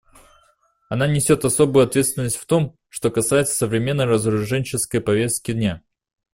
Она несет особую ответственность в том, что касается современной разоруженческой повестки дня.